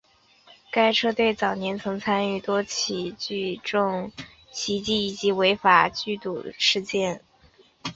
该车队早年曾参与多起聚众袭击以及违法聚赌事件。